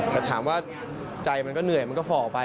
แต่ถามว่าใจมันก็เหนื่อยมันก็ฝ่อไป